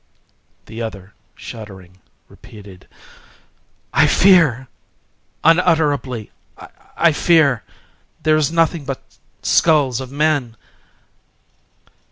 The other, shuddering, repeated:—"I fear!—unutterably I fear!…there is nothing but skulls of men!"